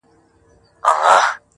سلطانان یې دي په لومو کي نیولي!.